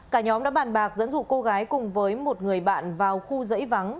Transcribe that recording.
cả nhóm đã bàn bạc dẫn dụ cô gái cùng với một người bạn vào khu dãy vắng